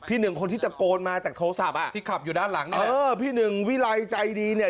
หนึ่งคนที่ตะโกนมาจากโทรศัพท์อ่ะที่ขับอยู่ด้านหลังเออพี่หนึ่งวิไลใจดีเนี่ย